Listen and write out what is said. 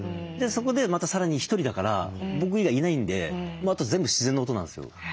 そこでまたさらにひとりだから僕以外いないんであと全部自然の音なんですよ。